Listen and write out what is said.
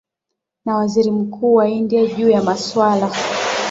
na waziri mkuu wa india juu ya maswala